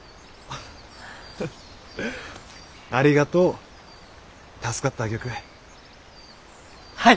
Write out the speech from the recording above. ありがとう助かったわ玉栄。